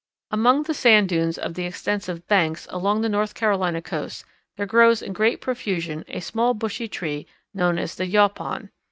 Among the sand dunes of the extensive "Banks" along the North Carolina coast there grows in great profusion a small bushy tree known as the yaupon.